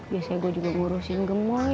biasanya gue juga ngurusin gemo